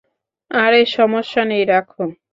আরে সমস্যা নেই, রাখ।